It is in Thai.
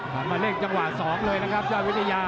และมาเล่นจังหวะ๒เลยนะครับยอดมิติยา